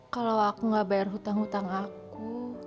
kalau aku nggak bayar hutang hutang aku